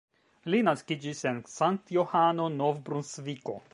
Li naskiĝis en Sankt-Johano, Nov-Brunsviko.